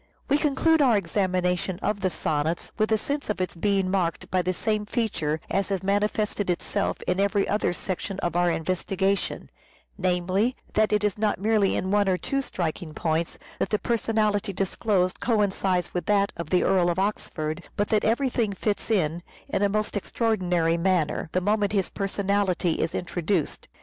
We conclude our examination of the sonnets with a sense of its being marked by the same feature as has manifested itself in every other section of our investigation : namely, that it is not merely in one or two striking points that the personality disclosed coincides with that of the Earl of Oxford ; but that everything fits in, in a most extraordinary manner, the moment his personality is introduced.